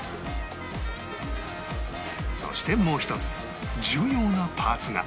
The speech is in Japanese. そしてもう一つ重要なパーツが